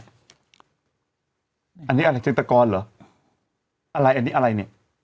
อันนี้อะไรเจนตกรเหรออะไรอันนี้อะไรเนี่ย